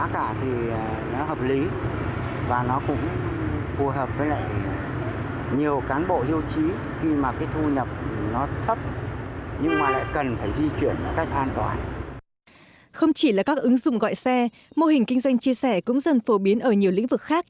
không chỉ là các ứng dụng gọi xe mô hình kinh doanh chia sẻ cũng dần phổ biến ở nhiều lĩnh vực khác